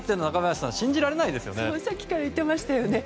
さっきから言ってましたよね。